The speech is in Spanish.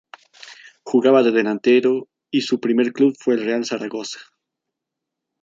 Jugaba de delantero y su primer club fue el Real Zaragoza.